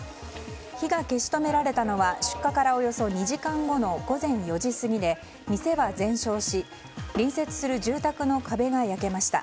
火が消し止められたのは出火からおよそ２時間後の午前４時過ぎで、店は全焼し隣接する住宅の壁が焼けました。